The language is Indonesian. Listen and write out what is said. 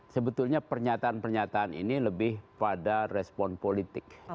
sebetulnya pernyataan pernyataan ini lebih pada respon politik